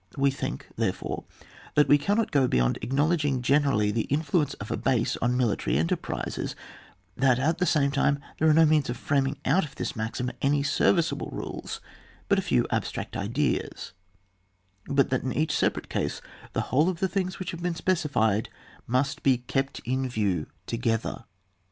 We think, therefore, that we cannot go beyond acknowledging generally the influence of a base on military enter prises, that at the same time there are no means of framing out of this maxim any serviceable rules by a few abstract ideas ; but that in each separate case the whole of the things which we have specified must be kept in view together.